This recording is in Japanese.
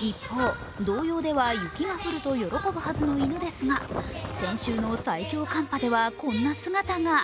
一方、童謡では雪が降ると喜ぶという犬ですが先週の最強寒波ではこんな姿が。